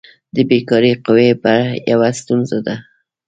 د بیکاري قوي یوه ستونزه ده.